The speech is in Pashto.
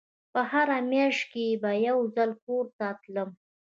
په هره مياشت کښې به يو ځل کور ته تلم.